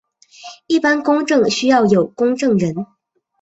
一般公证需要有公证人。